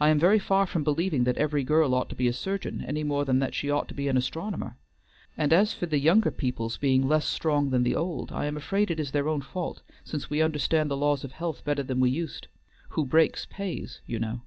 I am very far from believing that every girl ought to be a surgeon any more than that she ought to be an astronomer. And as for the younger people's being less strong than the old, I am afraid it is their own fault, since we understand the laws of health better than we used. 'Who breaks, pays,' you know."